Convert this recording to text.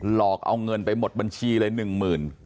หลอกเอาเงินไปหมดบัญชีเลย๑หมื่น